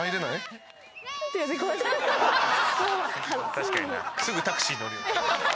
確かにな。